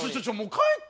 帰って。